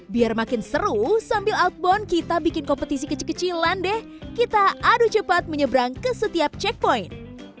biar makin seru sambil outbound kita bikin kompetisi kecil kecilan deh kita adu cepat menyeberang ke setiap checkpoint